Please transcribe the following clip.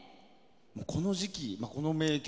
この時期、この名曲。